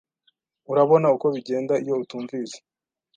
Urabona uko bigenda iyo utumvise?